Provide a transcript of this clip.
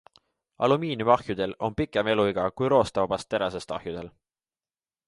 Alumiiniumahjudel on pikem eluiga kui roostevabast terasest ahjudel.